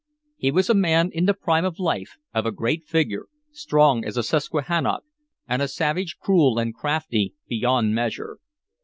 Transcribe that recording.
He was a man in the prime of life, of a great figure, strong as a Susquehannock, and a savage cruel and crafty beyond measure.